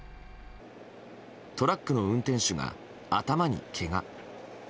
トラックの運転手が頭にけが。